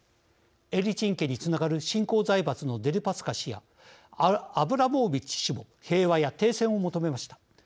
エリツィン家につながる新興財閥のデルパスカ氏やアブラモビッチ氏も平和や停戦を求めました。